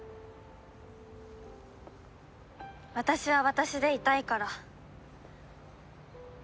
私は私でいたいから。